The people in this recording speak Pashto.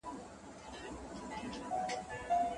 پلار به هغه موزيم ته ولېږي.